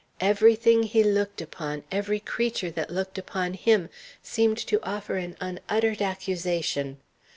Every thing he looked upon, every creature that looked upon him, seemed to offer an unuttered accusation.